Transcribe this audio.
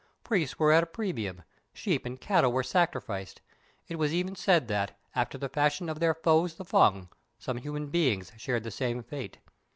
Priests were at a premium; sheep and cattle were sacrificed; it was even said that, after the fashion of their foes the Fung, some human beings shared the same fate.